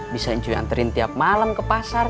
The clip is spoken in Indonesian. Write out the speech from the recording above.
bisa incu ya anterin tiap malem ke pasar